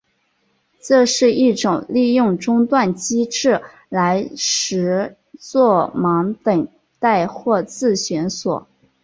这是一种利用中断机制来实作忙等待或自旋锁。